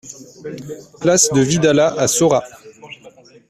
Place de Vidalat à Saurat